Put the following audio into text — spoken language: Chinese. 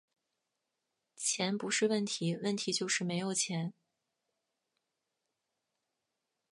钱不是问题，问题就是没有钱